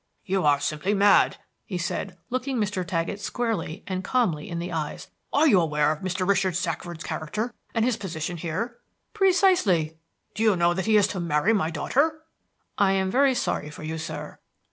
"You are simply mad," he said, looking Mr. Taggett squarely and calmly in the eyes. "Are you aware of Mr. Richard Shackford's character and his position here?" "Precisely." "Do you know that he is to marry my daughter?" "I am very sorry for you, sir."